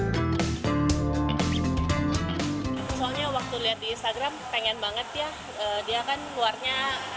soalnya waktu lihat di instagram pengen banget ya dia kan keluarnya